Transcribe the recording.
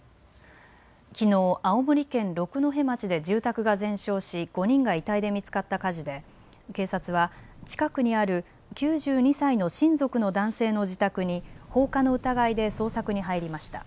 きのう青森県六戸町で住宅が全焼し５人が遺体で見つかった火事で警察は近くにある９２歳の親族の男性の自宅に放火の疑いで捜索に入りました。